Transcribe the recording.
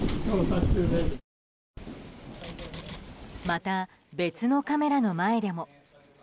また、別のカメラの前でも。